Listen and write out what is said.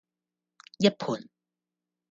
一盆